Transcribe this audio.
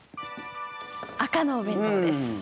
赤のお弁当です。